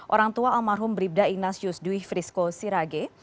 orang tua almarhum beribda ignatius dwi frisko sirage